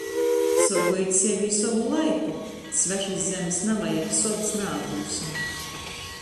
Sorgojit sevi i sovu laiku!!! Svešys zemis navajag, sovys naatdūsim!